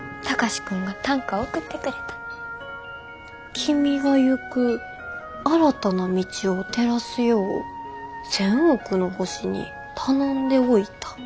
「君が行く新たな道を照らすよう千億の星に頼んでおいた」。